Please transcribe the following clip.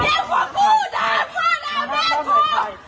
ไปเออแยกหัวกูแยกหัวกูแม่แม่แม่แม่แม่แม่แม่แม่แม่แม่